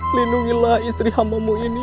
lindungilah istri hamamu ini